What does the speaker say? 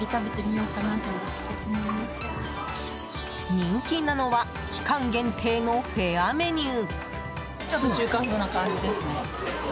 人気なのは期間限定のフェアメニュー！